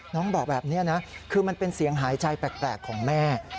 น้องบอกแบบนี้นะคือมันเป็นเสียงหายใจแปลกของแม่